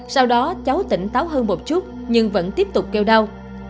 sau đó cháu tỉnh táo hơn một chút nhưng vẫn tiếp tục kêu đau